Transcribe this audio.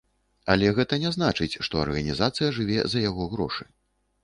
Але гэта не значыць, што арганізацыя жыве за яго грошы.